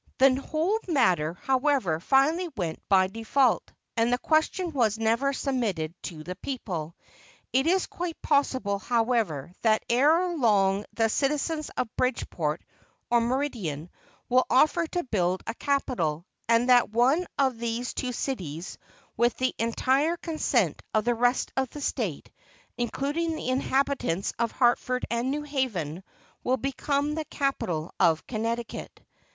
The whole matter, however, finally went by default, and the question was never submitted to the people. It is quite possible, however, that ere long the citizens of Bridgeport or Meriden will offer to build a capitol, and that one of these two cities with the entire consent of the rest of the State, including the inhabitants of Hartford and New Haven, will become the capital of Connecticut.